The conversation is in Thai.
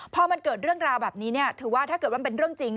พอมันเกิดเรื่องราวแบบนี้ถือว่าถ้าเกิดว่ามันเป็นเรื่องจริง